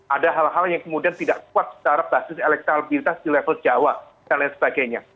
ada hal hal yang kemudian tidak kuat secara basis elektabilitas di level jawa dan lain sebagainya